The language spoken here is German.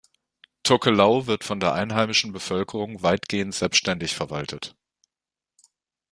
Tokelau wird von der einheimischen Bevölkerung weitgehend selbstständig verwaltet.